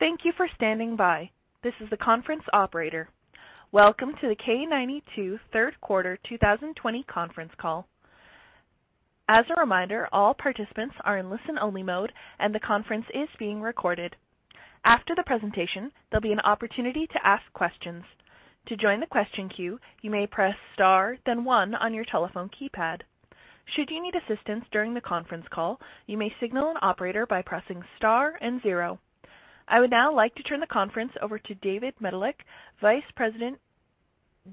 Thank you for standing by. This is the conference operator. Welcome to the K92 third quarter 2020 conference call. As a reminder, all participants are in listen-only mode, and the conference is being recorded. After the presentation, there'll be an opportunity to ask questions. To join the question queue, you may press star then one on your telephone keypad. Should you need assistance during the conference call, you may signal an operator by pressing star and zero. I would now like to turn the conference over to David Medilek, Vice President,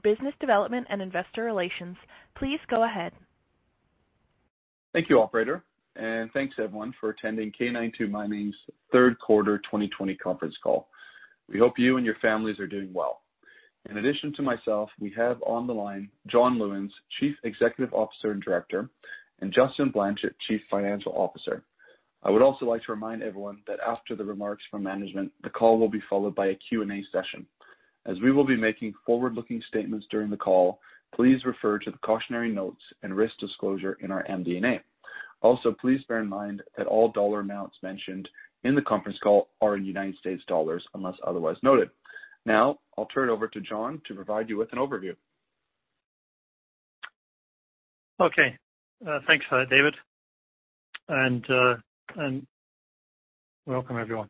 Business Development and Investor Relations. Please go ahead. Thank you, operator. Thanks everyone for attending K92 Mining's third quarter 2020 conference call. We hope you and your families are doing well. In addition to myself, we have on the line, John Lewins, Chief Executive Officer and Director, and Justin Blanchet, Chief Financial Officer. I would also like to remind everyone that after the remarks from management, the call will be followed by a Q&A session. As we will be making forward-looking statements during the call, please refer to the cautionary notes and risk disclosure in our MD&A. Please bear in mind that all dollar amounts mentioned in the conference call are in United States dollars, unless otherwise noted. I'll turn it over to John to provide you with an overview. Okay. Thanks for that, David, welcome everyone.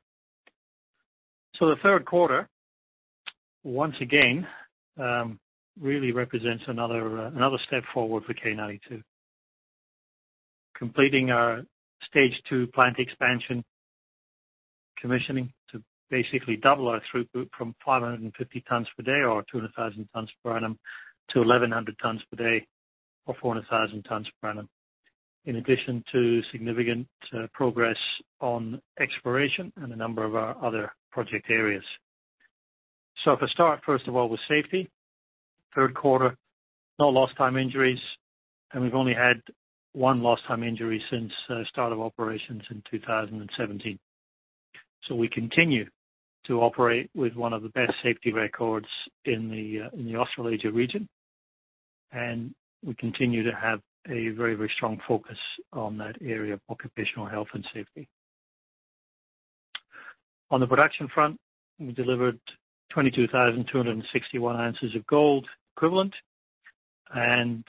The third quarter, once again, really represents another step forward for K92, completing our Stage 2 plant expansion commissioning to basically double our throughput from 550 tons per day, or 200,000 tons per annum to 1,100 tons per day or 400,000 tons per annum. In addition to significant progress on exploration and a number of our other project areas. If I start, first of all, with safety, third quarter, no lost time injuries, we've only had one lost time injury since start of operations in 2017. We continue to operate with one of the best safety records in the Australasia region, we continue to have a very strong focus on that area of occupational health and safety. On the production front, we delivered 22,261 oz of gold equivalent and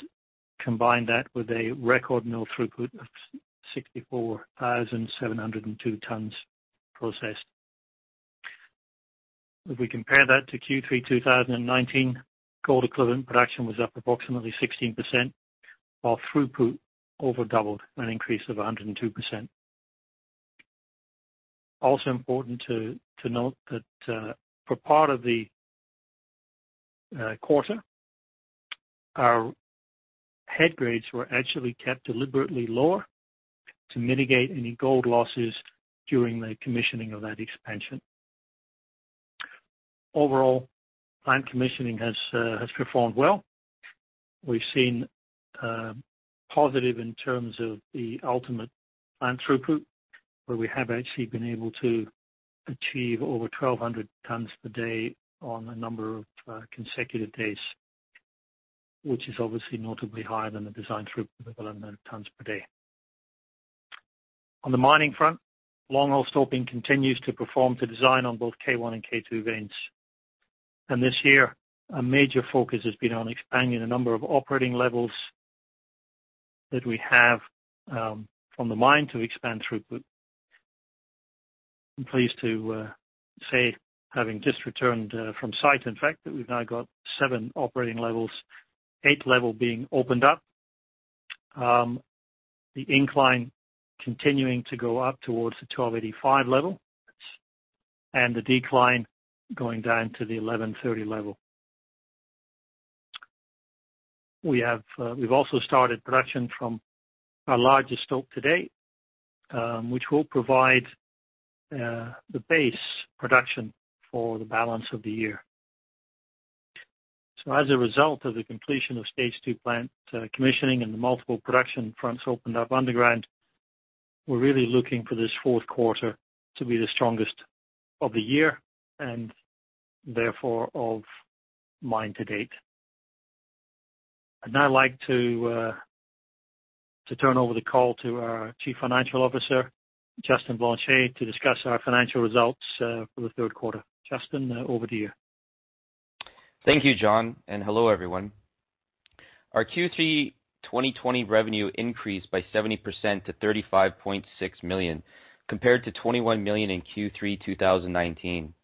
combined that with a record mill throughput of 64,702 tons processed. We compare that to Q3 2019, gold equivalent production was up approximately 16%, while throughput over doubled, an increase of 102%. Important to note that for part of the quarter, our head grades were actually kept deliberately lower to mitigate any gold losses during the commissioning of that expansion. Overall, plant commissioning has performed well. We've seen positive in terms of the ultimate plant throughput, where we have actually been able to achieve over 1,200 tons per day on a number of consecutive days, which is obviously notably higher than the design throughput of 1,100 tons per day. On the mining front, longhole stoping continues to perform to design on both K1 and K2 Veins. This year, a major focus has been on expanding a number of operating levels that we have from the mine to expand throughput. I'm pleased to say, having just returned from site, in fact, that we've now got seven operating levels, eighth level being opened up. The incline continuing to go up towards the 1,285 level and the decline going down to the 1,130 level. We've also started production from our largest stope to date, which will provide the base production for the balance of the year. As a result of the completion of Stage 2 plant commissioning and the multiple production fronts opened up underground, we're really looking for this fourth quarter to be the strongest of the year and therefore of mine to date. I'd now like to turn over the call to our Chief Financial Officer, Justin Blanchet, to discuss our financial results for the third quarter. Justin, over to you. Thank you, John. Hello, everyone. Our Q3 2020 revenue increased by 70% to $35.6 million, compared to $21 million in Q3 2019.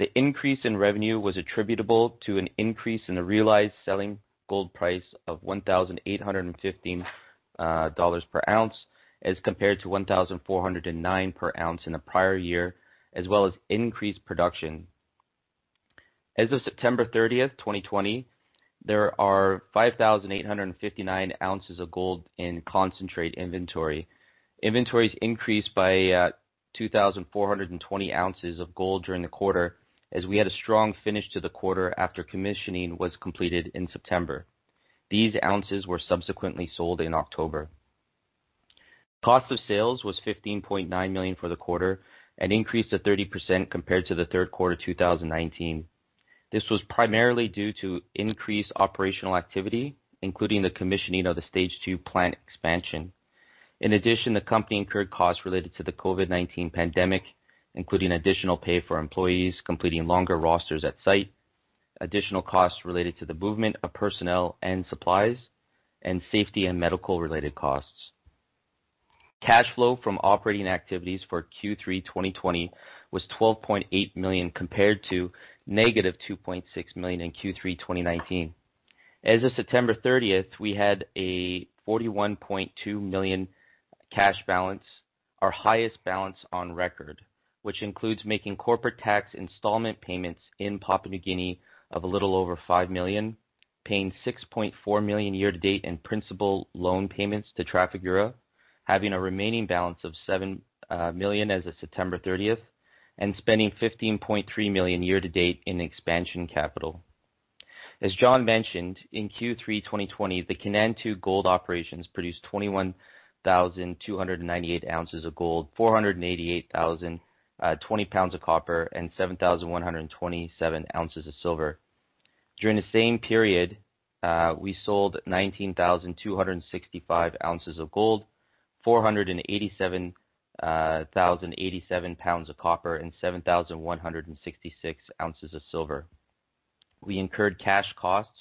The increase in revenue was attributable to an increase in the realized selling gold price of $1,815 per ounce as compared to $1,409 per ounce in the prior year, as well as increased production. As of September 30th, 2020, there are 5,859 oz of gold in concentrate inventory. Inventories increased by 2,420 oz of gold during the quarter as we had a strong finish to the quarter after commissioning was completed in September. These ounces were subsequently sold in October. Cost of sales was $15.9 million for the quarter and increased to 30% compared to the third quarter 2019. This was primarily due to increased operational activity, including the commissioning of the Stage 2 plant expansion. The company incurred costs related to the COVID-19 pandemic, including additional pay for employees completing longer rosters at site, additional costs related to the movement of personnel and supplies, and safety and medical-related costs. Cash flow from operating activities for Q3 2020 was $12.8 million, compared to negative $2.6 million in Q3 2019. As of September 30th, we had a $41.2 million cash balance, our highest balance on record, which includes making corporate tax installment payments in Papua New Guinea of a little over $5 million, paying $6.4 million year to date in principal loan payments to Trafigura, having a remaining balance of $7 million as of September 30th, and spending $15.3 million year to date in expansion capital. As John mentioned, in Q3 2020, the K92 gold operations produced 21,298 oz of gold, 488,020 lbs of copper, and 7,127 oz of silver. During the same period, we sold 19,265 oz of gold, 487,087 lbs of copper, and 7,166 oz of silver. We incurred cash costs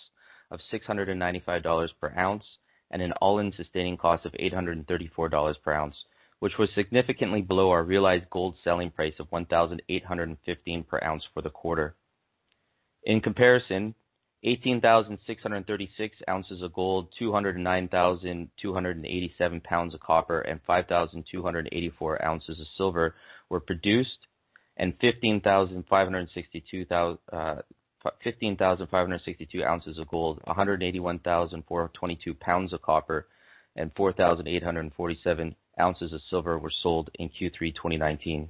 of $695 per ounce and an all-in sustaining cost of $834 per ounce, which was significantly below our realized gold selling price of $1,815 per ounce for the quarter. In comparison, 18,636 oz of gold, 209,287 lbs of copper, and 5,284 oz of silver were produced, and 15,562 oz of gold, 181,422 lbs of copper, and 4,847 oz of silver were sold in Q3 2019.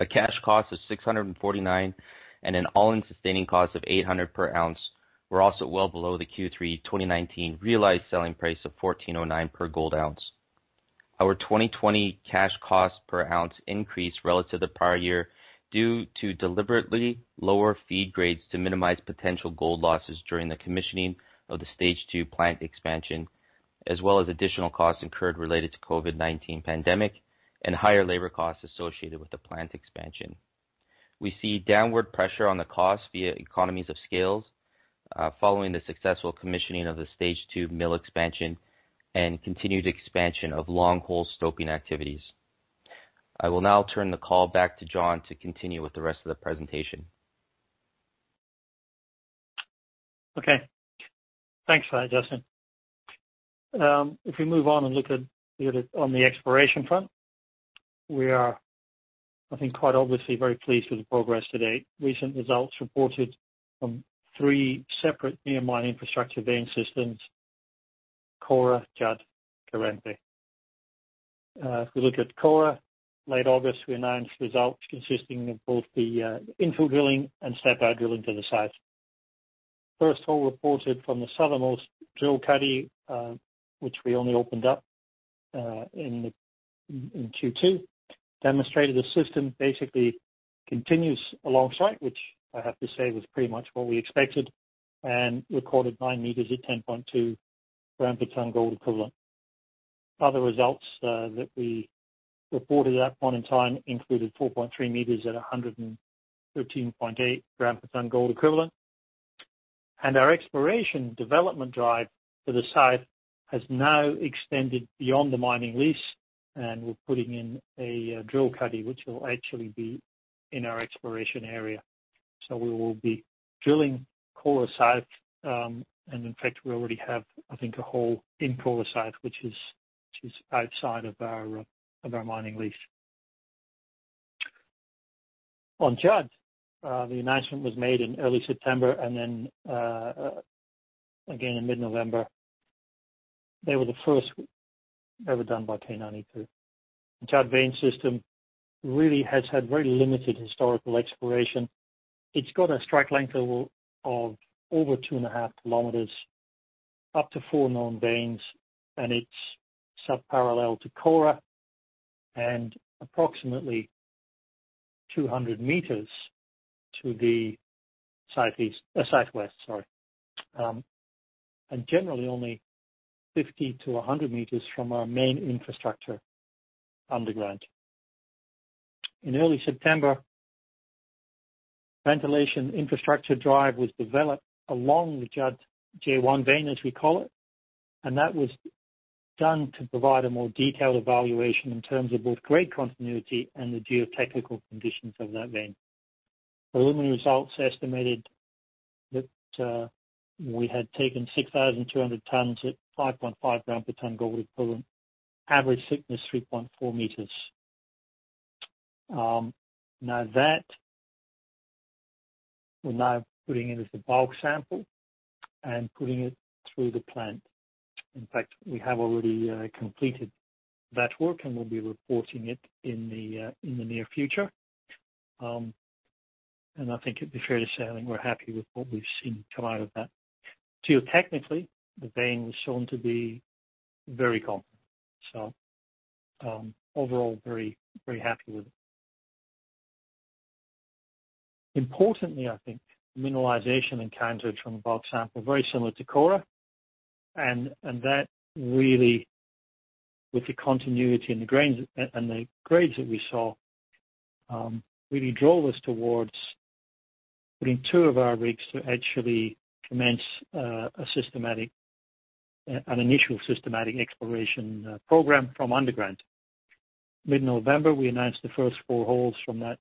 A cash cost of $649 and an all-in sustaining cost of $800 per ounce were also well below the Q3 2019 realized selling price of $1,409 per gold ounce. Our 2020 cash cost per ounce increased relative to the prior year due to deliberately lower feed grades to minimize potential gold losses during the commissioning of the Stage 2 plant expansion, as well as additional costs incurred related to COVID-19 pandemic and higher labor costs associated with the plant expansion. We see downward pressure on the cost via economies of scales following the successful commissioning of the Stage 2 mill expansion and continued expansion of longhole stoping activities. I will now turn the call back to John to continue with the rest of the presentation. Thanks for that, Justin. We move on and look at on the exploration front, we are, I think, quite obviously very pleased with the progress to date. Recent results reported from three separate near mine infrastructure vein systems, Kora, Judd, Karempe. We look at Kora, late August, we announced results consisting of both the infill drilling and step-out drilling to the south. First hole reported from the southernmost drill cuddy, which we only opened up in Q2, demonstrated the system basically continues alongside, which I have to say was pretty much what we expected, and recorded 9 m at 10.2 g per ton gold equivalent. Other results that we reported at that point in time included 4.3 m at 113.8 g per ton gold equivalent. Our exploration development drive for the site has now extended beyond the mining lease, and we're putting in a drill cuddy, which will actually be in our exploration area. We will be drilling Kora South. In fact, we already have, I think, a hole in Kora South, which is outside of our mining lease. On Judd, the announcement was made in early September and then again in mid-November. They were the first ever done by K92. The Judd vein system really has had very limited historical exploration. It's got a strike length of over 2.5 km up to four known veins, and it's subparallel to Kora and approximately 200 m to the southwest. Generally only 50 m-100 m from our main infrastructure underground. In early September, ventilation infrastructure drive was developed along the Judd J1 vein, as we call it, and that was done to provide a more detailed evaluation in terms of both grade continuity and the geotechnical conditions of that vein. Preliminary results estimated that we had taken 6,200 tons at 5.5 g per ton gold equivalent, average thickness 3.4 m. That we're now putting it as a bulk sample and putting it through the plant. In fact, we have already completed that work, and we'll be reporting it in the near future. I think it'd be fair to say that we're happy with what we've seen come out of that. Geotechnically, the vein was shown to be very calm. Overall very happy with it. Importantly, I think, mineralization encountered from the bulk sample, very similar to Kora. That really, with the continuity and the grades that we saw, really drove us towards putting two of our rigs to actually commence an initial systematic exploration program from underground. Mid-November, we announced the first four holes from that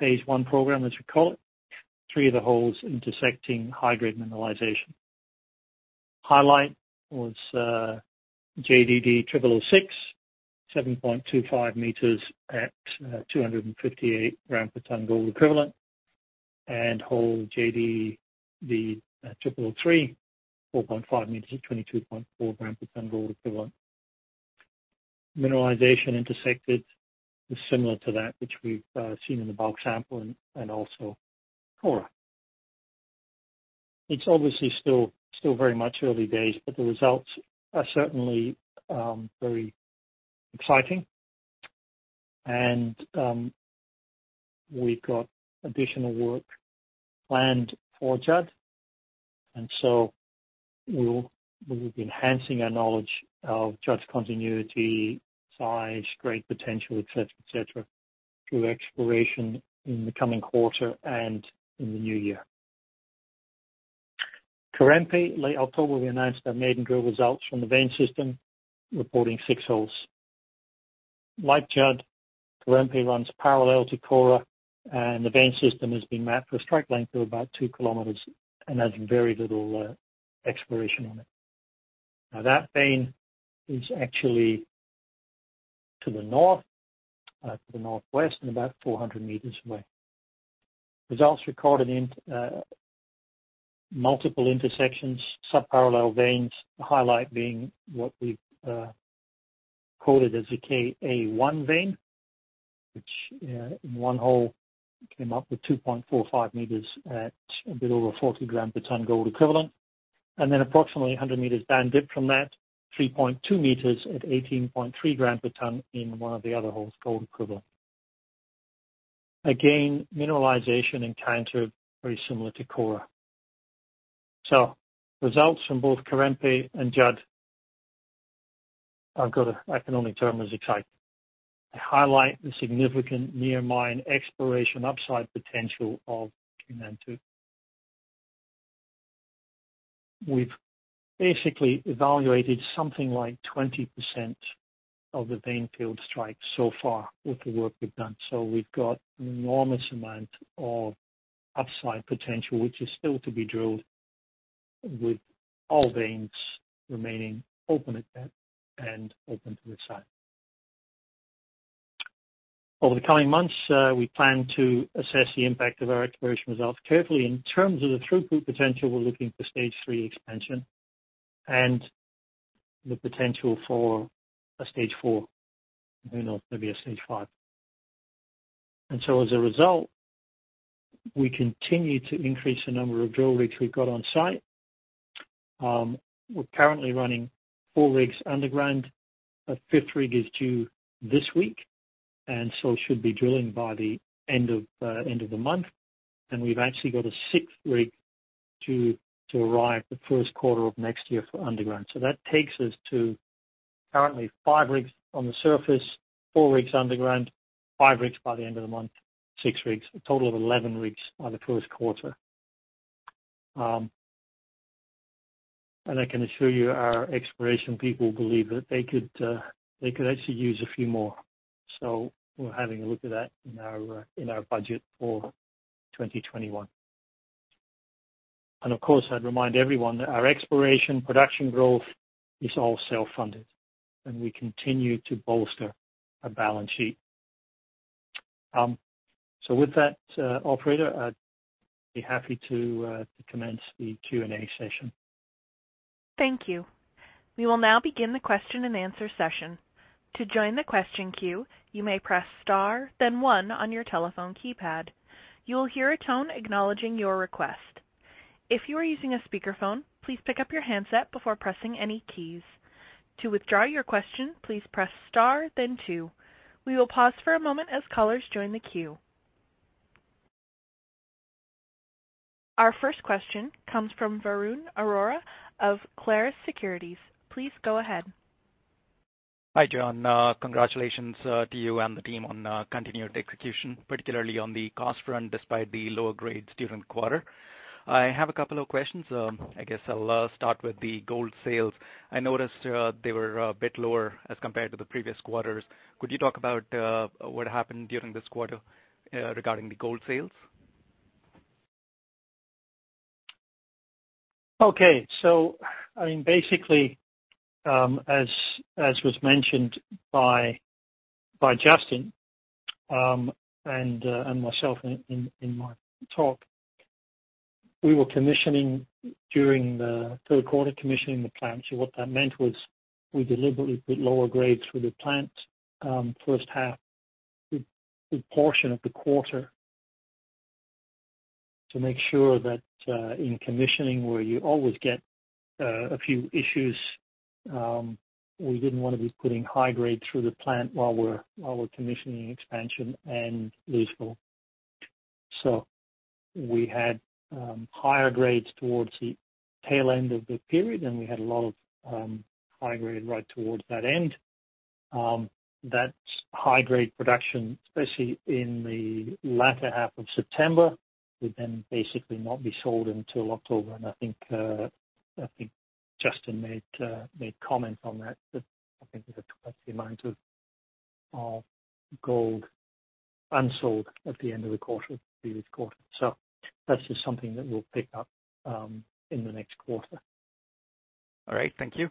Phase 1 program, as we call it, three of the holes intersecting high-grade mineralization. Highlight was JDD0006, 7.25 m at 258 g per ton gold equivalent. Hole JDD0003, 4.5 m at 22.4 g per ton gold equivalent. Mineralization intersected was similar to that which we've seen in the bulk sample and also Kora. It's obviously still very much early days, but the results are certainly very exciting. We've got additional work planned for Judd. We'll be enhancing our knowledge of Judd's continuity, size, grade potential, et cetera, et cetera, through exploration in the coming quarter and in the new year. Karempe, late October, we announced our maiden drill results from the vein system, reporting six holes. Like Judd, Karempe runs parallel to Kora, and the vein system has been mapped for a strike length of about 2 km and has very little exploration on it. Now that vein is actually to the north, to the northwest and about 400 m away. Results recorded in multiple intersections, sub-parallel veins. The highlight being what we've quoted as a KA1 vein, which in one hole came up with 2.45 m at a bit over 40 g per ton gold equivalent. Approximately 100 m down dip from that, 3.2 m at 18.3 g per ton in one of the other holes, gold equivalent. Again, mineralization encountered very similar to Kora. Results from both Karempe and Judd, I can only term as exciting. They highlight the significant near mine exploration upside potential of K92. We've basically evaluated something like 20% of the vein field strike so far with the work we've done. We've got an enormous amount of upside potential, which is still to be drilled with all veins remaining open at depth and open to the side. Over the coming months, we plan to assess the impact of our exploration results carefully. In terms of the throughput potential, we're looking for Stage 3 expansion and the potential for a Stage 4. Who knows, maybe a Stage 5. As a result, we continue to increase the number of drill rigs we've got on site. We're currently running four rigs underground. A fifth rig is due this week and so should be drilling by the end of the month. We've actually got a sixth rig due to arrive the first quarter of next year for underground. That takes us to currently five rigs on the surface, four rigs underground, five rigs by the end of the month, six rigs, a total of 11 rigs by the first quarter. I can assure you our exploration people believe that they could actually use a few more. We're having a look at that in our budget for 2021. Of course, I'd remind everyone that our exploration, production growth is all self-funded, and we continue to bolster our balance sheet. With that, operator, I'd be happy to commence the Q&A session. Thank you. We will now begin the question-and-answer session. To join the question queue you may press star then one on your telephone keypad. You will hear a tone acknowledging your request. If you are on a speaker phone, please pick up your hand set before pressing any keys. To withdraw your question please press star then two. We will pause for a moment as callers join the queue. Our first question comes from Varun Arora of Clarus Securities. Please go ahead. Hi, John. Congratulations to you and the team on continued execution, particularly on the cost front, despite the lower grades during the quarter. I have a couple of questions. I guess I'll start with the gold sales. I noticed they were a bit lower as compared to the previous quarters. Could you talk about what happened during this quarter regarding the gold sales? Okay. Basically, as was mentioned by Justin, and myself in my talk, we were commissioning during the third quarter, commissioning the plant. What that meant was we deliberately put lower grades through the plant first half, a good portion of the quarter to make sure that in commissioning, where you always get a few issues. We didn't want to be putting high grade through the plant while we're commissioning expansion. We had higher grades towards the tail end of the period, and we had a lot of high grade right towards that end. That high grade production, especially in the latter half of September, would then basically not be sold until October. I think Justin made a comment on that I think there's a quite the amount of gold unsold at the end of the quarter, the previous quarter. That's just something that we'll pick up in the next quarter. All right. Thank you.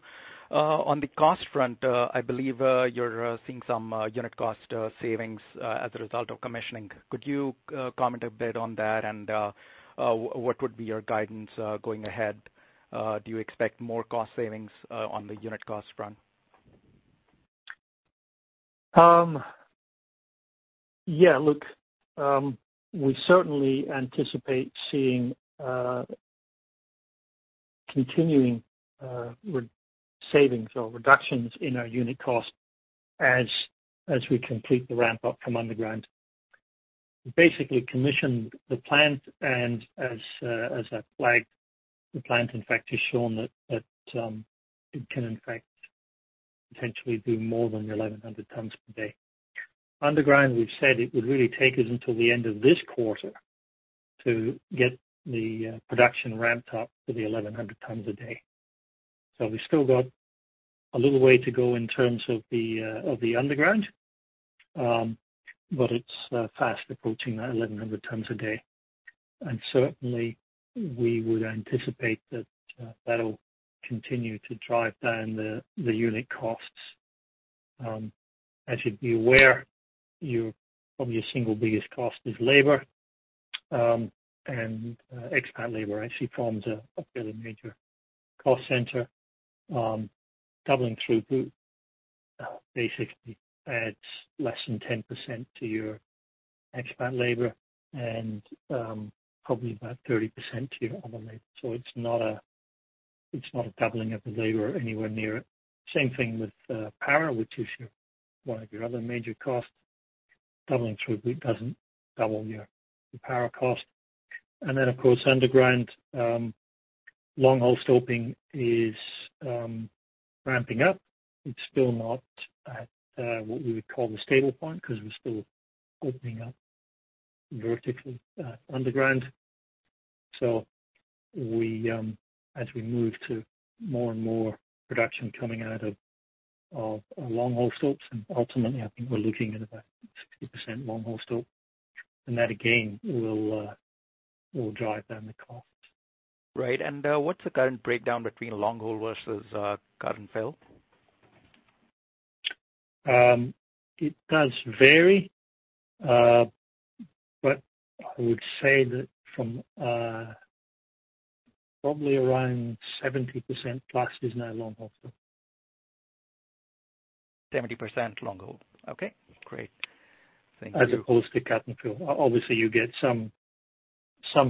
On the cost front, I believe, you're seeing some unit cost savings as a result of commissioning. Could you comment a bit on that and what would be your guidance going ahead? Do you expect more cost savings on the unit cost front? Yeah, look, we certainly anticipate seeing continuing savings or reductions in our unit cost as we complete the ramp up from underground. Basically commissioned the plant and as I flagged, the plant, in fact, has shown that it can in fact potentially do more than the 1,100 tons per day. Underground, we've said it would really take us until the end of this quarter to get the production ramped up to the 1,100 tons a day. We've still got a little way to go in terms of the underground. It's fast approaching that 1,100 tons a day. Certainly, we would anticipate that that'll continue to drive down the unit costs. As you'd be aware, probably your single biggest cost is labor. Expat labor actually forms a fairly major cost center, doubling through-put. Adds less than 10% to your expat labor and probably about 30% to your other labor. It's not a doubling of the labor or anywhere near it. Same thing with power, which is one of your other major costs. Doubling throughput doesn't double your power cost. Of course, underground longhole stoping is ramping up. It's still not at what we would call the stable point because we're still opening up vertically underground. As we move to more and more production coming out of longhole stope, and ultimately, I think we're looking at about 60% longhole stope. That again, will drive down the costs. Right. What's the current breakdown between long hole versus cut-and-fill? It does vary. I would say that from probably around 70%+ is now long hole stope. 70% long hole. Okay, great. Thank you. As opposed to cut-and-fill. Obviously, you get some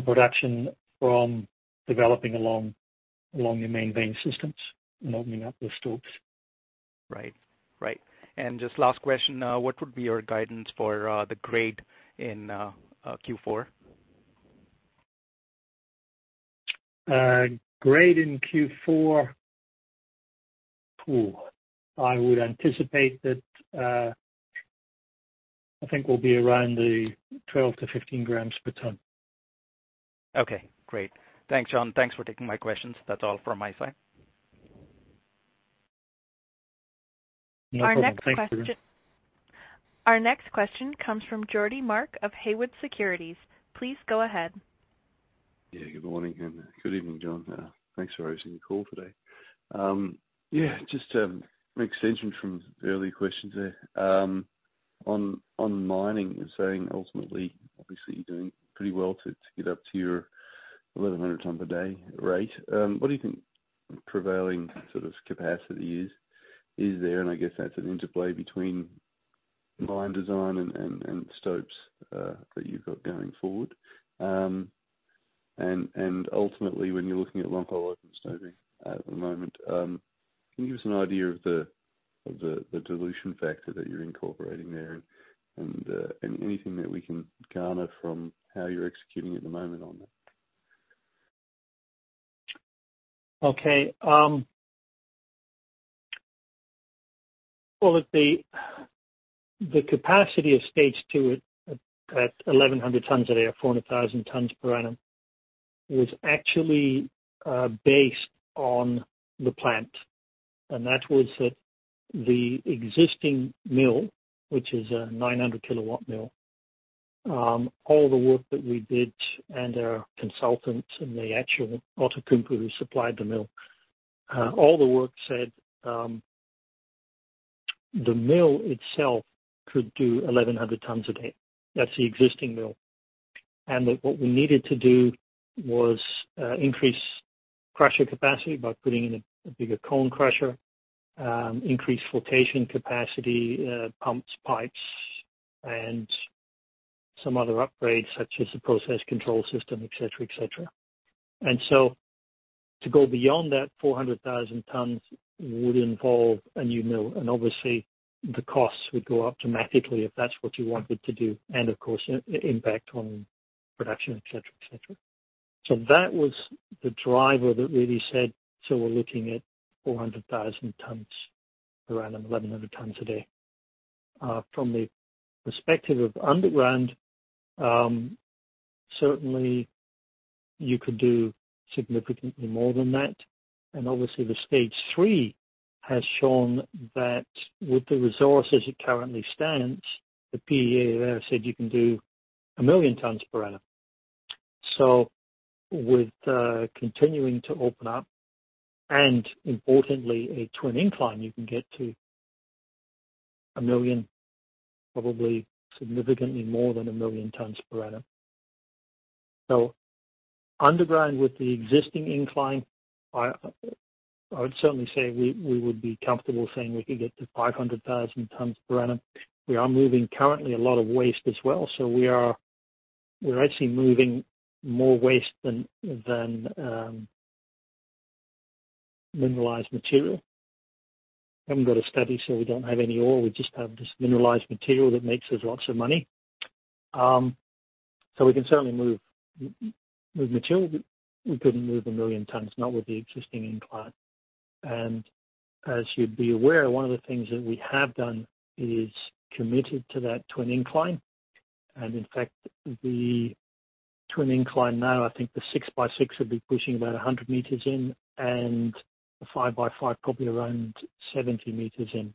production from developing along your main vein systems and opening up the stopes. Right. Just last question, what would be your guidance for the grade in Q4? Grade in Q4, I would anticipate that, I think we'll be around the 12 g per ton-15 g per ton. Okay, great. Thanks, John. Thanks for taking my questions. That is all from my side. No problem. Thanks, Varun. Our next question comes from Geordie Mark of Haywood Securities. Please go ahead. Good morning and good evening, John. Thanks for arranging the call today. Just an extension from earlier questions there. On mining, you're saying ultimately, obviously, you're doing pretty well to get up to your 1,100 ton per day rate. What do you think prevailing sort of capacity is there? I guess that's an interplay between mine design and stopes that you've got going forward. Ultimately, when you're looking at long hole open stope at the moment, can you give us an idea of the dilution factor that you're incorporating there and anything that we can garner from how you're executing at the moment on that? Well, look, the capacity of Stage 2 at 1,100 tons a day or 400,000 tons per annum was actually based on the plant. That was at the existing mill, which is a 900 kW mill. All the work that we did and our consultants and the actual Outotec, who supplied the mill, all the work said the mill itself could do 1,100 tons a day. That's the existing mill. That what we needed to do was increase crusher capacity by putting in a bigger cone crusher, increase flotation capacity, pumps, pipes, and some other upgrades, such as the process control system, et cetera. To go beyond that 400,000 tons would involve a new mill, and obviously the costs would go up dramatically if that's what you wanted to do. Of course, impact on production, et cetera. That was the driver that really said, we're looking at 400,000 tons, around 1,100 tons a day. From the perspective of underground, certainly you could do significantly more than that. Obviously the Stage 3 has shown that with the resources it currently stands, the PEA said you can do a million tons per annum. With continuing to open up and importantly a twin incline, you can get to a million, probably significantly more than a million tons per annum. Underground with the existing incline, I would certainly say we would be comfortable saying we could get to 500,000 tons per annum. We are moving currently a lot of waste as well. We're actually moving more waste than mineralized material. Haven't got a study, so we don't have any ore. We just have this mineralized material that makes us lots of money. We can certainly move material, but we couldn't move a million tons, not with the existing incline. As you'd be aware, one of the things that we have done is committed to that twin incline. In fact, the twin incline now, I think the six by six would be pushing about 100 m in and the five by five probably around 70 m in.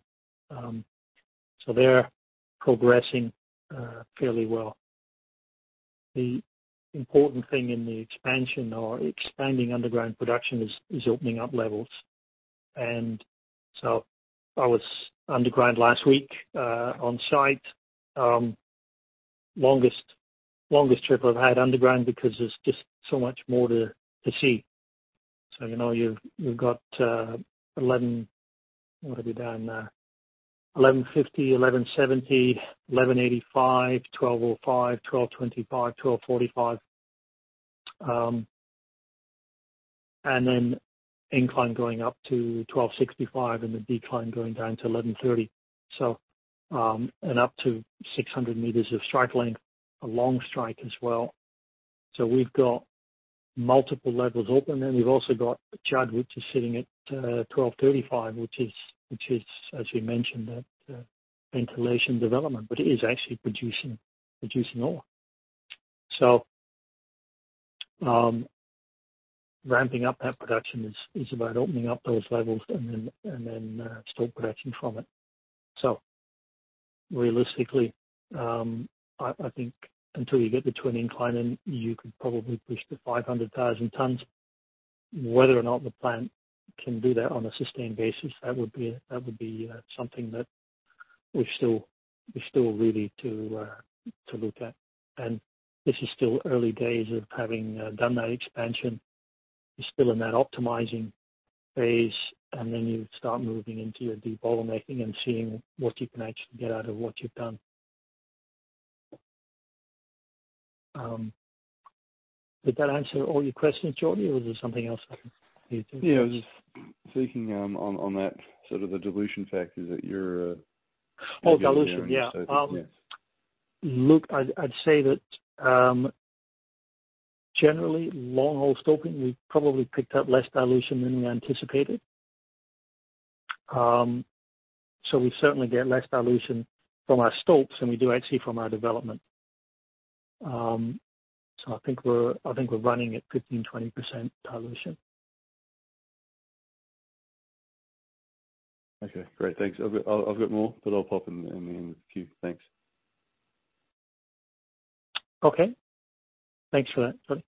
They're progressing fairly well. The important thing in the expansion or expanding underground production is opening up levels. I was underground last week, on-site. Longest trip I've had underground because there's just so much more to see. You've got 11 What have you down there? 1150, 1170, 1185, 1205, 1225, 1245. Then incline going up to 1265 and the decline going down to 1130. Up to 600 m of strike length, a long strike as well. We've got multiple levels open. We've also got Judd, which is sitting at 1235, which is, as we mentioned, that ventilation development, but it is actually producing ore. Ramping up that production is about opening up those levels and then stope production from it. Realistically, I think until you get the twin incline in, you could probably push to 500,000 tons. Whether or not the plant can do that on a sustained basis, that would be something that we're still really to look at. This is still early days of having done that expansion. You're still in that optimizing phase, and then you start moving into your debottlenecking and seeing what you can actually get out of what you've done. Did that answer all your questions, Geordie? Was there something else I can do too? Yeah, I was just thinking, on that sort of the dilution factor. Oh, dilution. Yeah. Yes. Look, I'd say that, generally longhole stoping, we've probably picked up less dilution than we anticipated. We certainly get less dilution from our stopes than we do actually from our development. I think we're running at 15%, 20% dilution. Okay, great. Thanks. I've got more, but I'll pop in the queue. Thanks. Okay. Thanks for that, buddy.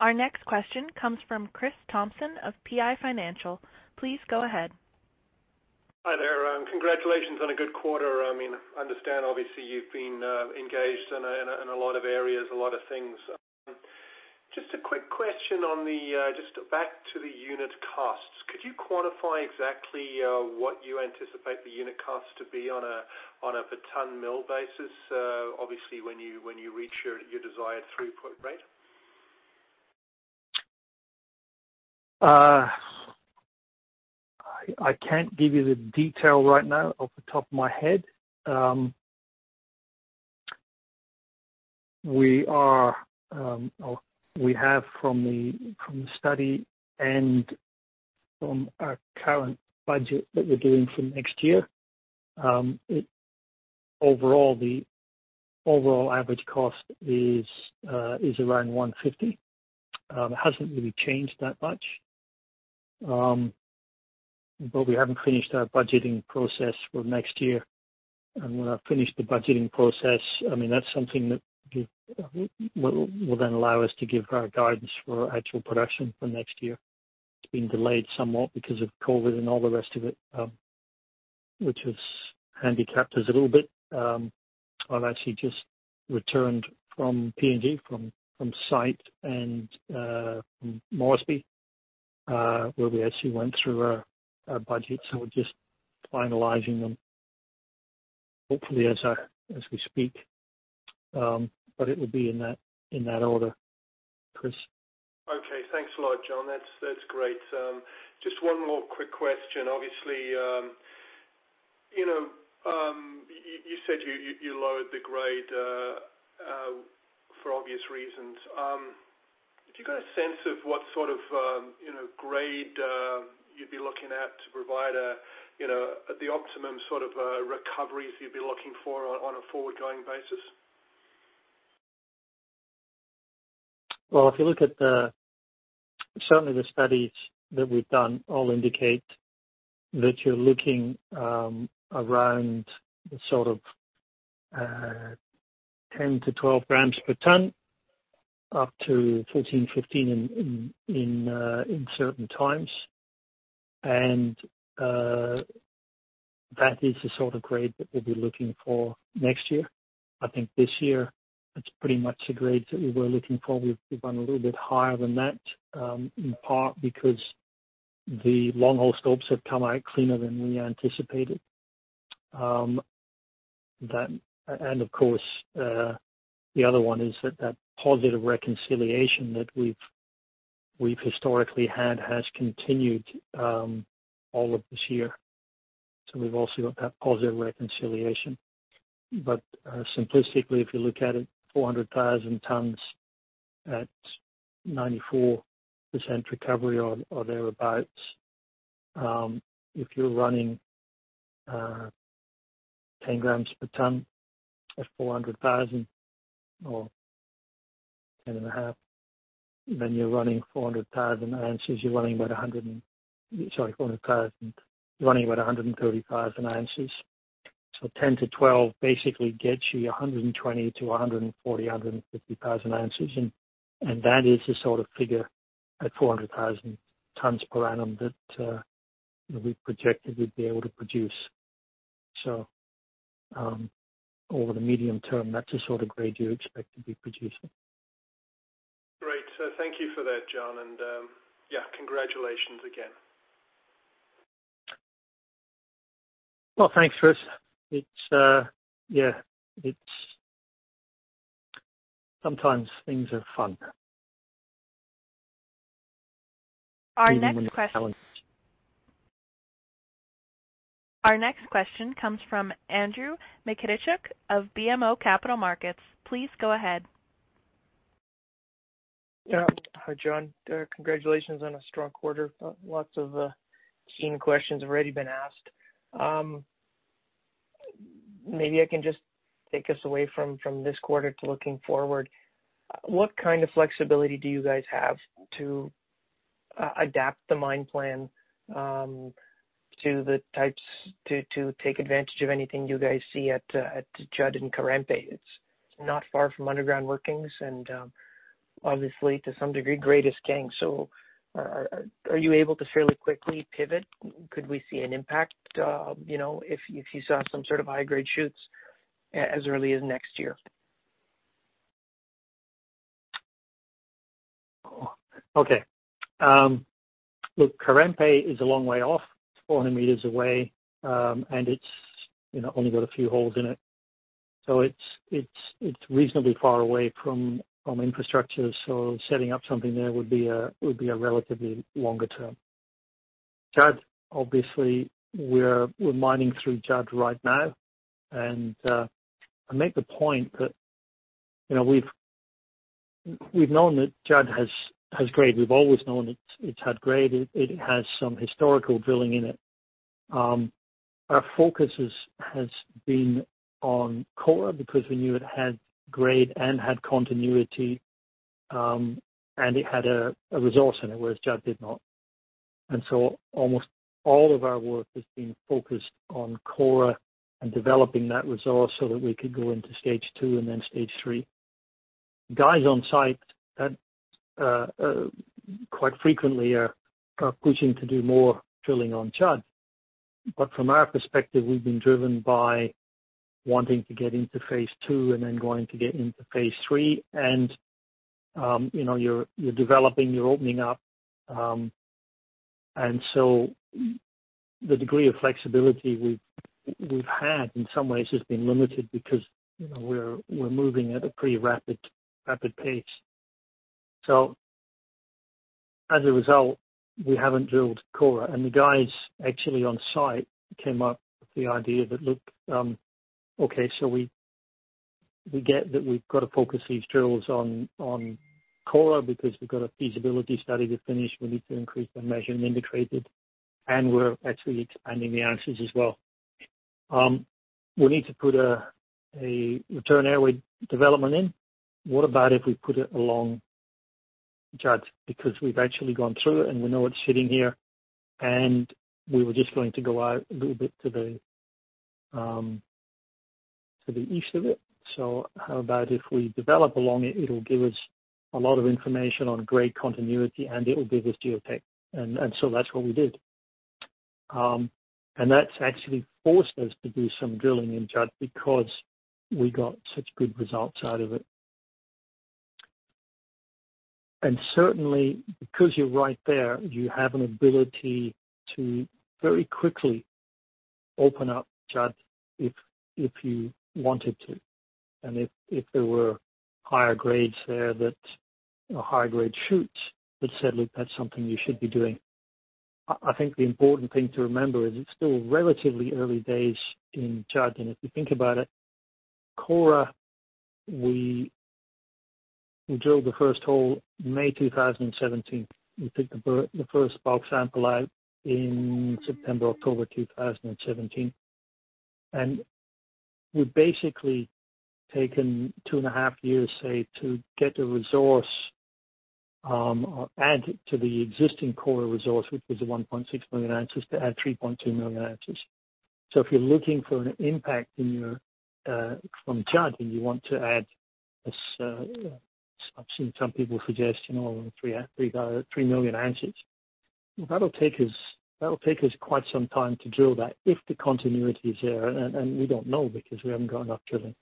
Our next question comes from Chris Thompson of PI Financial. Please go ahead. Hi there. Congratulations on a good quarter. I understand obviously you've been engaged in a lot of areas, a lot of things. Just a quick question just back to the unit costs. Could you quantify exactly what you anticipate the unit costs to be on a per ton mill basis? Obviously, when you reach your desired throughput rate. I can't give you the detail right now off the top of my head. We have from the study and from our current budget that we're doing for next year. Overall average cost is around $150. It hasn't really changed that much. We haven't finished our budgeting process for next year. When I've finished the budgeting process, that's something that will then allow us to give our guidance for actual production for next year. It's been delayed somewhat because of COVID and all the rest of it, which has handicapped us a little bit. I've actually just returned from PNG, from site and from Moresby, where we actually went through our budget. We're just finalizing them hopefully as we speak. It will be in that order, Chris. Okay. Thanks a lot, John. That's great. Just one more quick question. Obviously, you said you lowered the grade for obvious reasons. Have you got a sense of what sort of grade you'd be looking at to provide the optimum sort of recoveries you'd be looking for on a forward-going basis? Well, if you look at the, certainly the studies that we've done all indicate that you're looking around the sort of 10 g per ton-12 g per ton, up to 14 g per ton, 15 g per ton in certain times. That is the sort of grade that we'll be looking for next year. I think this year it's pretty much the grades that we were looking for. We've gone a little bit higher than that, in part because the long hole stopes have come out cleaner than we anticipated. Of course, the other one is that positive reconciliation that we've historically had has continued all of this year. We've also got that positive reconciliation. Simplistically, if you look at it, 400,000 tons at 94% recovery or thereabouts. If you're running 10 g per ton at 400,000 or 10.5 g per ton, then you're running 400,000 oz, you're running about 135,000 oz. 10 g per ton-12 g per ton basically gets you 120,000 oz-140,000 oz, 150,000 oz. That is the sort of figure at 400,000 tons per annum that we projected we'd be able to produce. Over the medium term, that's the sort of grade you expect to be producing. Great. Thank you for that, John. Yeah, congratulations again. Well, thanks, Chris. It's, yeah, sometimes things are fun. Our next question. Even when it's challenging. Our next question comes from Andrew Mikitchook of BMO Capital Markets. Please go ahead. Hi, John. Congratulations on a strong quarter. Lots of keen questions have already been asked. Maybe I can just take us away from this quarter to looking forward. What kind of flexibility do you guys have to adapt the mine plan to take advantage of anything you guys see at Judd and Karempe? It's not far from underground workings and, obviously to some degree, grade is king. Are you able to fairly quickly pivot? Could we see an impact if you saw some sort of high-grade shoots as early as next year? Look, Karempe is a long way off. It's 400 m away, and it's only got a few holes in it. It's reasonably far away from infrastructure, so setting up something there would be a relatively longer term. Judd, obviously, we're mining through Judd right now, and I make the point that we've known that Judd has grade. We've always known it's had grade. It has some historical drilling in it. Our focus has been on Kora because we knew it had grade and had continuity, and it had a resource in it, whereas Judd did not. Almost all of our work has been focused on Kora and developing that resource so that we could go into Stage 2 and then Stage 3. Guys on site quite frequently are pushing to do more drilling on Judd. From our perspective, we've been driven by wanting to get into Phase 2 and then going to get into Phase 3. You're developing, you're opening up. The degree of flexibility we've had in some ways has been limited because we're moving at a pretty rapid pace. As a result, we haven't drilled Kora, and the guys actually on site came up with the idea that, look, okay, so we get that we've got to focus these drills on Kora because we've got a feasibility study to finish. We need to increase the measured and indicated, and we're actually expanding the ounces as well. We need to put a return airway development in. What about if we put it along Judd? We've actually gone through it and we know it's sitting here, and we were just going to go out a little bit to the east of it. How about if we develop along it'll give us a lot of information on grade continuity and it'll give us geotech. That's what we did. That's actually forced us to do some drilling in Judd because we got such good results out of it. Certainly, because you're right there, you have an ability to very quickly open up Judd if you wanted to. If there were higher grades there, higher-grade shoots that said, "Look, that's something you should be doing." I think the important thing to remember is it's still relatively early days in Judd. If you think about it, Kora, we drilled the first hole May 2017. We took the first bulk sample out in September, October 2017. We've basically taken two and a half years, say, to get the resource, or add to the existing Kora resource, which was the 1.6 million ounces, to add 3.2 million ounces. If you're looking for an impact from Judd, and you want to add this, I've seen some people suggest 3 million ounces. That'll take us quite some time to drill that if the continuity is there, and we don't know because we haven't done enough drilling.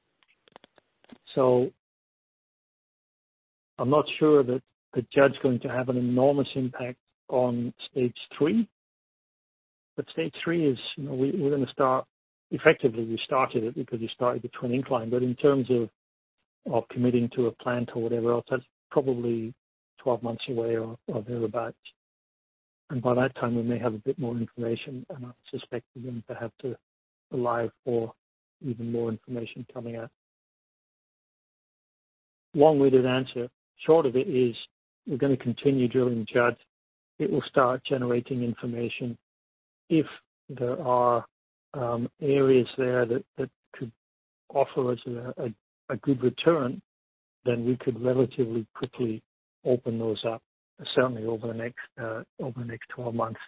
I'm not sure that Judd's going to have an enormous impact on Stage 3. Stage 3 is, we're going to start Effectively, we started it because we started twin incline. In terms of committing to a plant or whatever else, that's probably 12 months away or thereabout. By that time, we may have a bit more information, and I suspect we're going to have to rely for even more information coming out. Long-winded answer. Short of it is we're going to continue drilling Judd. It will start generating information. If there are areas there that could offer us a good return, then we could relatively quickly open those up, certainly over the next 12 months,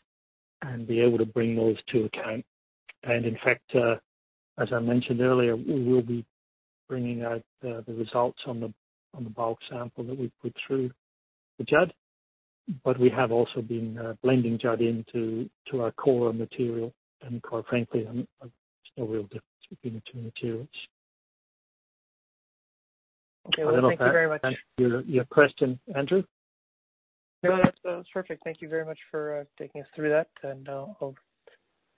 and be able to bring those to account. In fact, as I mentioned earlier, we will be bringing out the results on the bulk sample that we put through the Judd. We have also been blending Judd into our core material. Quite frankly, there's no real difference between the two materials. Okay. Well, thank you very much. Your question, Andrew? That was perfect. Thank you very much for taking us through that. I'll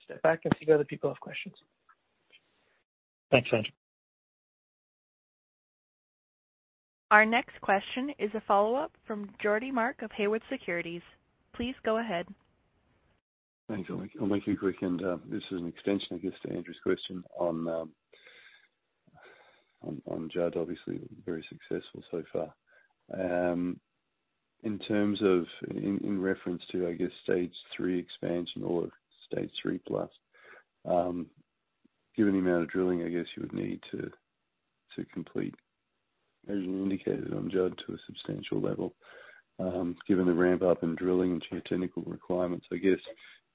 step back and see if other people have questions. Thanks, Andrew. Our next question is a follow-up from Geordie Mark of Haywood Securities. Please go ahead. Thanks. I'll make it quick. This is an extension, I guess, to Andrew's question on Judd. Obviously, very successful so far. In terms of, in reference to, I guess, Stage 3 expansion or Stage 3 plus, given the amount of drilling, I guess you would need to complete, as you indicated, on Judd to a substantial level. Given the ramp up in drilling and your technical requirements, I guess,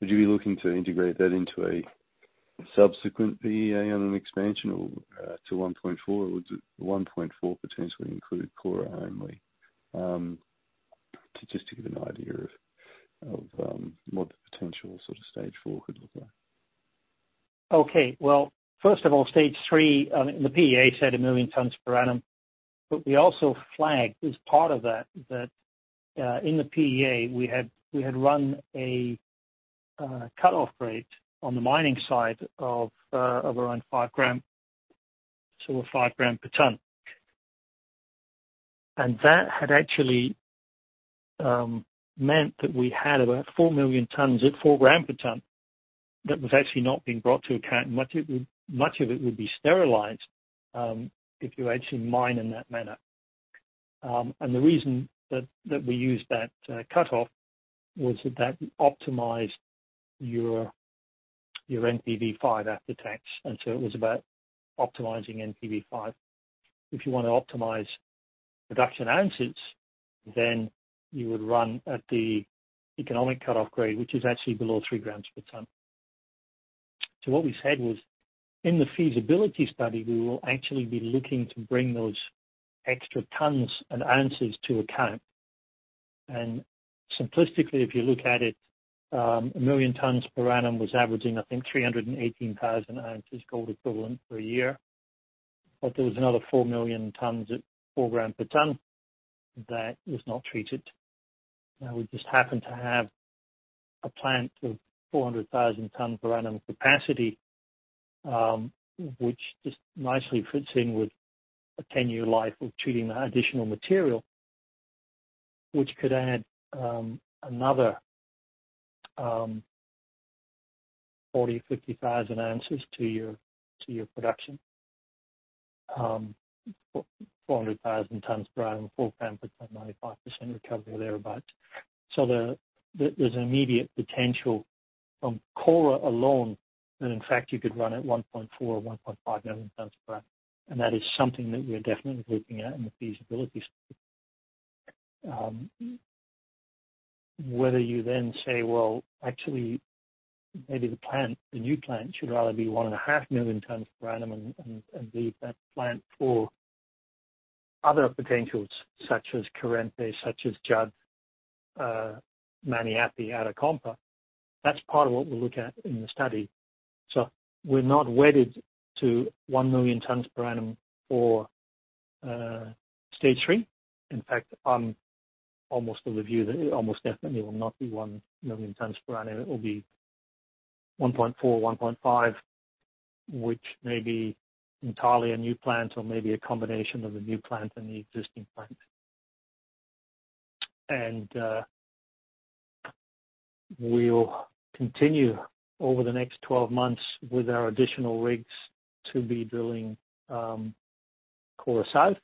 would you be looking to integrate that into a subsequent PEA on an expansion to 1.4 million tons per annum? Would the 1.4 million tons per annum potentially include Kora only? Just to give an idea of what the potential sort of Stage 4 could look like. Okay. Well, first of all, Stage 3, I mean, the PEA said a million tons per annum. We also flagged as part of that in the PEA, we had run a cut-off grade on the mining side of around 5 g, so 5 g per ton. That had actually meant that we had about 4 million tons at 4 g per ton that was actually not being brought to account. Much of it would be sterilized if you actually mine in that manner. The reason that we used that cut-off was that that optimized your NPV5 after tax. It was about optimizing NPV5. If you want to optimize production ounces, then you would run at the economic cut-off grade, which is actually below 3 g per ton. What we said was, in the feasibility study, we will actually be looking to bring those extra tons and ounces to account. Simplistically, if you look at it, a million tons per annum was averaging, I think, 318,000 oz gold equivalent per year. There was another 4 million tons at 4 g per ton that was not treated. We just happen to have a plant of 400,000 tons per annum capacity, which just nicely fits in with a 10-year life of treating that additional material, which could add another 40,000 oz, 50,000 oz to your production. 400,000 tons per annum, 4 g per ton, 95% recovery or thereabout. There's an immediate potential from Kora alone that, in fact, you could run at 1.4 million tons, 1.5 million tons per annum. That is something that we're definitely looking at in the feasibility study. Whether you then say, well, actually, maybe the new plant should rather be 1.5 million tons per annum and leave that plant for other potentials such as Karempe, such as Judd, Maniape, Arakompa. That's part of what we'll look at in the study. We're not wedded to 1 million tons per annum for Stage 3. In fact, I'm almost of the view that it almost definitely will not be 1 million tons per annum. It will be 1.4 million tons per annum, 1.5 million tons per annum, which may be entirely a new plant or may be a combination of the new plant and the existing plant. We'll continue over the next 12 months with our additional rigs to be drilling Kora South.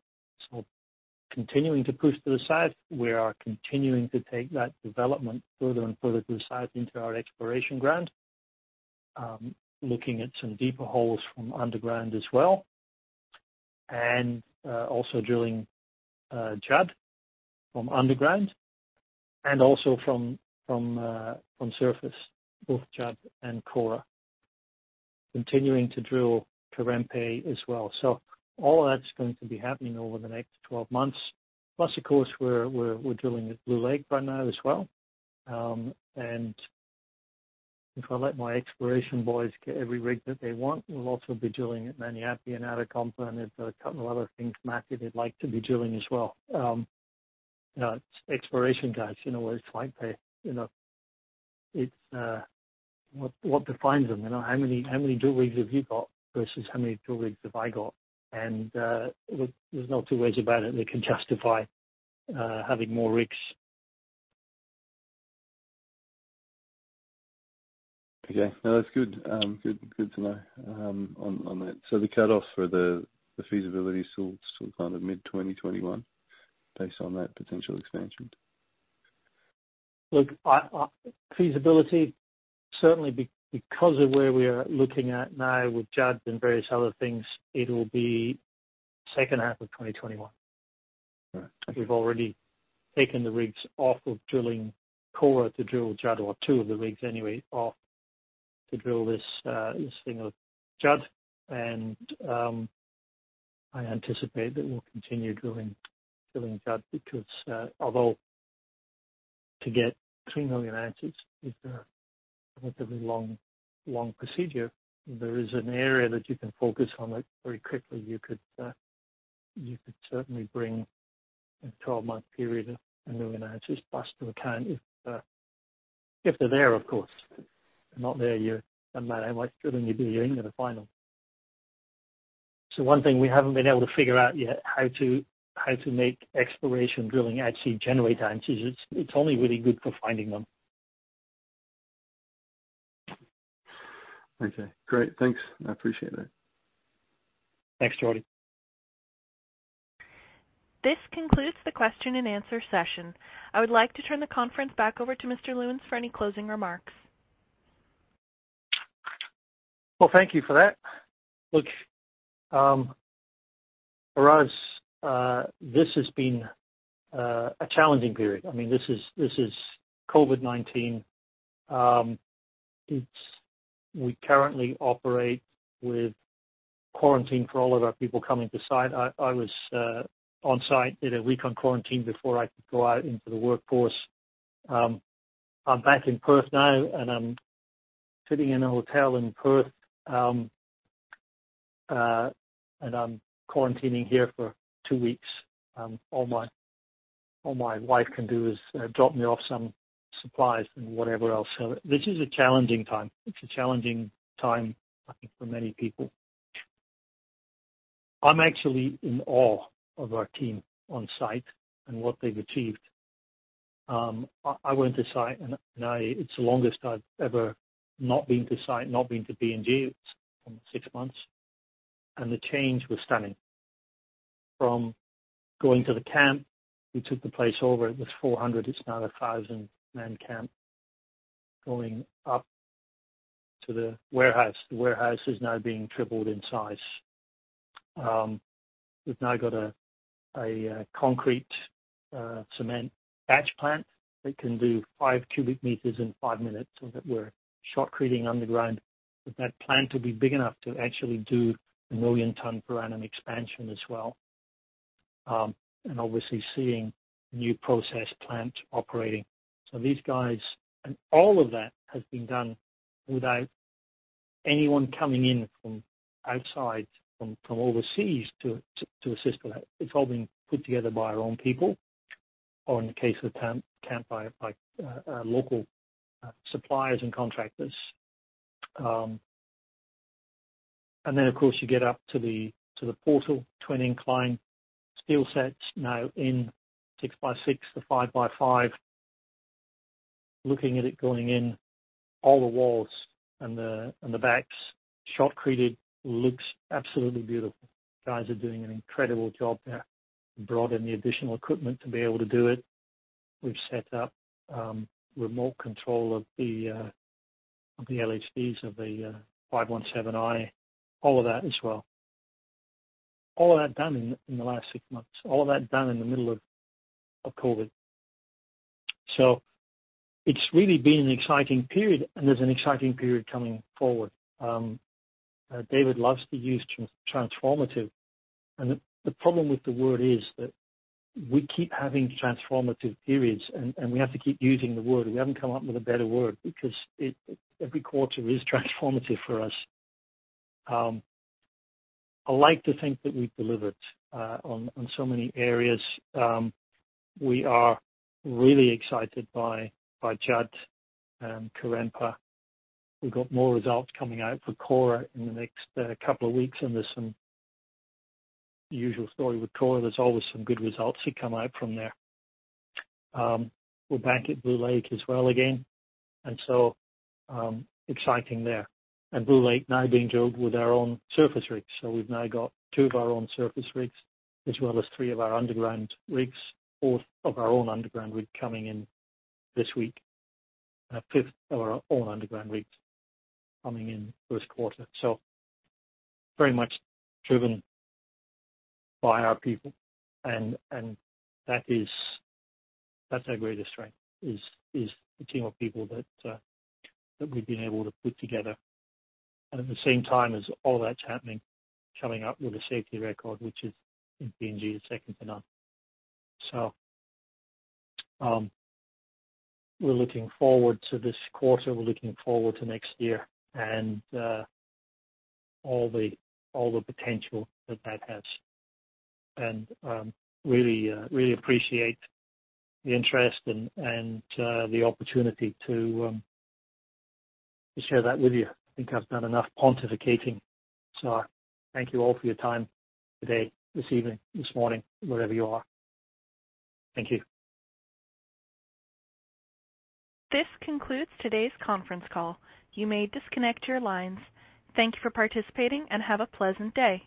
Continuing to push to the side. We are continuing to take that development further and further to the south into our exploration ground. Looking at some deeper holes from underground as well. Also drilling Judd from underground and also from surface, both Judd and Kora. Continuing to drill Karempe as well. All of that's going to be happening over the next 12 months. Plus of course, we're drilling at Blue Lake right now as well. If I let my exploration boys get every rig that they want, we'll also be drilling at Maniape and Arakompa, and there's a couple of other things Matthew would like to be drilling as well. Exploration guys, it's what defines them. How many drill rigs have you got versus how many drill rigs have I got? There's no two ways about it. They can justify having more rigs. Okay. No, that's good to know on that. The cutoff for the feasibility is still kind of mid-2021 based on that potential expansion? Look, feasibility certainly because of where we are looking at now with Judd and various other things, it'll be second half of 2021. Right. We've already taken the rigs off of drilling Kora to drill Judd or two of the rigs anyway off to drill this thing of Judd. I anticipate that we'll continue drilling Judd because, although to get 3 million ounces is a relatively long procedure, there is an area that you can focus on it very quickly. You could certainly bring a 12-month period of a million ounces plus to account if they're there, of course. If they're not there, no matter how much drilling you do, you ain't gonna find them. One thing we haven't been able to figure out yet, how to make exploration drilling actually generate answers. It's only really good for finding them. Okay, great. Thanks. I appreciate it. Thanks, Geordie. This concludes the question and answer session. I would like to turn the conference back over to Mr. Lewins for any closing remarks. Well, thank you for that. Look, for us, this has been a challenging period. This is COVID-19. We currently operate with quarantine for all of our people coming to site. I was on-site, did a week on quarantine before I could go out into the workforce. I'm back in Perth now. I'm sitting in a hotel in Perth. I'm quarantining here for two weeks. All my wife can do is drop me off some supplies and whatever else. This is a challenging time. It's a challenging time, I think, for many people. I'm actually in awe of our team on-site and what they've achieved. I went to site. Now it's the longest I've ever not been to site, not been to PNG. It's six months. The change was stunning from going to the camp. We took the place over. It was 400. It's now 1,000-man camp. Going up to the warehouse. The warehouse is now being tripled in size. We've now got a concrete cement batch plant that can do 5 cu m in five minutes so that we're shotcreting underground. With that plant to be big enough to actually do a million ton per annum expansion as well. Obviously seeing new process plant operating. These guys, all of that has been done without anyone coming in from outside, from overseas to assist with that. It's all been put together by our own people. In the case of camp, by local suppliers and contractors. Of course, you get up to the portal, twin incline. Steel sets now in six by six, the five by five. Looking at it going in, all the walls and the backs shotcreted looks absolutely beautiful. Guys are doing an incredible job there. Brought in the additional equipment to be able to do it. We've set up remote control of the LHDs of the 517i, all of that as well. All of that done in the last six months. All of that done in the middle of COVID. It's really been an exciting period, and there's an exciting period coming forward. David loves to use transformative, and the problem with the word is that we keep having transformative periods, and we have to keep using the word. We haven't come up with a better word because every quarter is transformative for us. I like to think that we've delivered on so many areas. We are really excited by Judd and Karempe. We've got more results coming out for Kora in the next couple of weeks, and there's some usual story with Kora. There's always some good results that come out from there. We're back at Blue Lake as well again, and so exciting there. Blue Lake now being drilled with our own surface rigs. We've now got two of our own surface rigs, as well as three of our underground rigs, fourth of our own underground rig coming in this week, and a fifth of our own underground rigs coming in this quarter. Very much driven by our people, and that's our greatest strength, is the team of people that we've been able to put together. At the same time as all that's happening, coming up with a safety record, which is in PNG is second to none. We're looking forward to this quarter, we're looking forward to next year, and all the potential that has. Really appreciate the interest and the opportunity to share that with you. I think I've done enough pontificating. Thank you all for your time today, this evening, this morning, wherever you are. Thank you. This concludes today's conference call. You may disconnect your lines. Thank you for participating, and have a pleasant day.